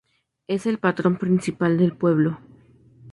Es el patrón principal del pueblo.